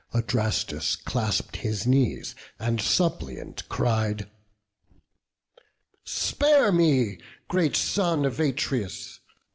Adrastus clasp'd his knees, and suppliant cried, "Spare me, great son of Atreus!